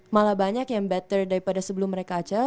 malah banyak yang better daripada sebelum mereka acara